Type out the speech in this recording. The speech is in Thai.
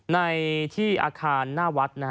ในที่อาคารหน้าวัด